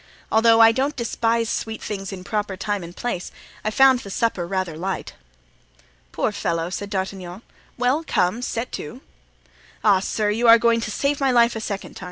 Although I don't despise sweet things in proper time and place, I found the supper rather light." "Poor fellow!" said D'Artagnan. "Well, come; set to." "Ah, sir, you are going to save my life a second time!"